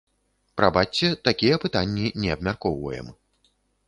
Прабачце, такія пытанні не абмяркоўваем.